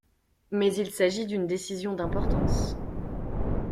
Mais il s'agit d'une décision d’importance.